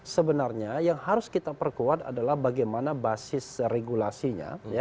sebenarnya yang harus kita perkuat adalah bagaimana basis regulasinya